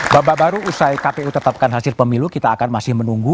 babak baru usai kpu tetapkan hasil pemilu kita akan masih menunggu